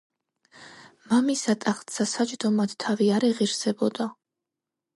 მამისა ტახტსა საჯდომად თავი არ ეღირსებოდ